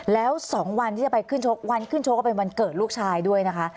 แล้ว๒วันที่จะไปขึ้นชกวันขึ้นชกก็เป็นวันเกิดลูกชายด้วยนะคะ